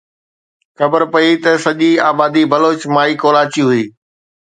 خبر پئي ته سڄي آبادي بلوچ مائي ڪولاچي هئي